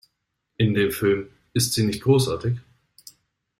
In dem Film "Ist sie nicht großartig?